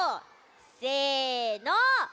せの！